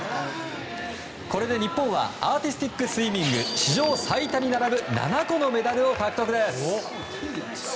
これで日本はアーティスティックスイミング史上最多に並ぶ７個のメダルを獲得です。